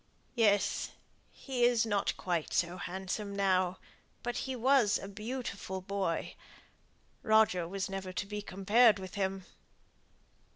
"Yes. He is not quite so handsome now; but he was a beautiful boy. Roger was never to be compared with him."